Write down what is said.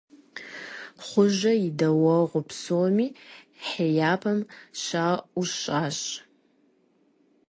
Хъуэжэ и дэуэгъу псоми хеяпӏэм щаӀущӀащ.